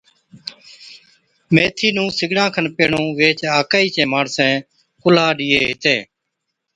ميٿِي نُون سِگڙان کن پيھڻُون ويھچ آڪھِي چين ماڻسين ڪُلھا ڏيئَين ھِتين